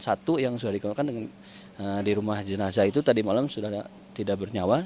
satu yang sudah dikeluarkan di rumah jenazah itu tadi malam sudah tidak bernyawa